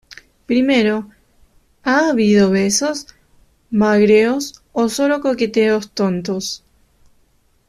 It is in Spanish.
primero, ¿ ha habido besos, magreos o solo coqueteos tontos?